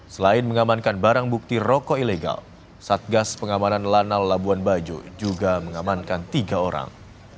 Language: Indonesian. selain mengamankan barang bukti rokok ilegal satgas pengamanan lanal labuan bajo juga mengamankan tiga orang